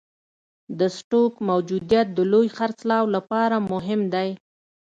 د سټوک موجودیت د لوی خرڅلاو لپاره مهم دی.